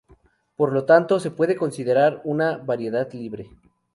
Por lo tanto, se puede considerar una variedad libre.